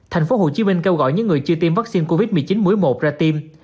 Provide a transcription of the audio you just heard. tp hcm kêu gọi những người chưa tiêm vaccine covid một mươi chín mũi một ra tiêm